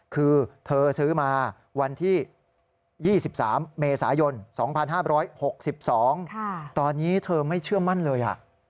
คือเธอซื้อมาวันที่๒๓เมษายน๒๕๖๒ตอนนี้เธอไม่เชื่อมั่นเลย